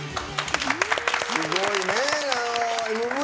すごいね。